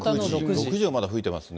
６時はまだ吹いてますね。